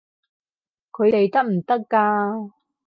佢哋得唔得㗎？